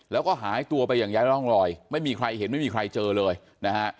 แล้วก็หายตัวไปอย่างไร้ร่องรอยไม่มีใครเห็นไม่มีใครเจอเลยนะฮะ